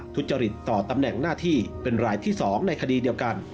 ทุจริตต่อตำแหน่งหน้าที่เป็นรายที่๒ในคดีเดียวกัน